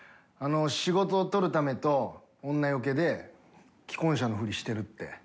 仕事取るためと女よけで既婚者のふりしてるって。